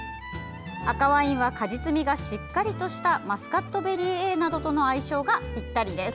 赤ワインは果実味がしっかりとしたマスカット・ベリーＡなどとの相性がぴったりです。